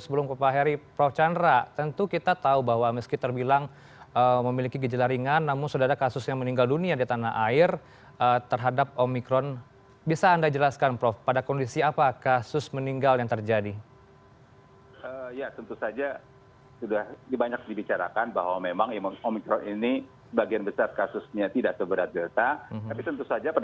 sebenarnya sudah memiliki pengalaman dalam menyelenggarakan isolasi terpusat jika suatu saat diperlukan karena terjadinya kenaikan kasus yang luar biasa